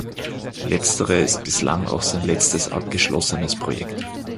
Letztere ist bislang auch sein letztes abgeschlossenes Projekt.